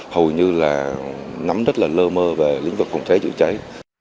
hầu như là nắm rất là lơ mơ về lĩnh vực phòng cháy chữa cháy